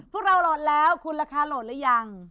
พวกเราโหลดแล้วคุณราคาโหลดหรือยัง